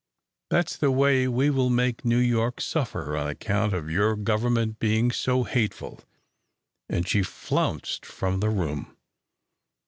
That's the way we will make New York suffer on account of your government being so hateful!" and she flounced from the room.